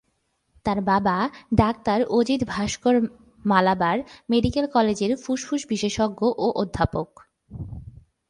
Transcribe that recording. তার বাবা doctor Ajit Bhaskar Malabar medical কলেজের ফুসফুস বিশেষজ্ঞ ও অধ্যাপক।